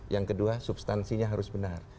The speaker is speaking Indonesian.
yang kedua substansinya harus benar